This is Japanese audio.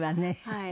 はい。